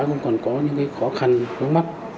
cũng còn có những khó khăn khó mắc